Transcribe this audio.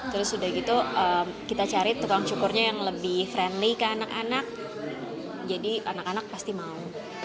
terus sudah gitu kita cari tukang cukurnya yang lebih friendly ke anak anak jadi anak anak pasti mau